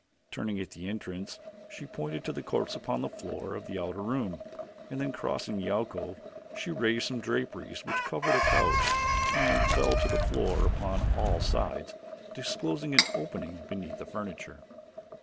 Turning at the entrance she pointed to the corpse upon the floor of the outer room, and then crossing the alcove she raised some draperies which covered a couch and fell to the floor upon all sides, disclosing an opening beneath the furniture.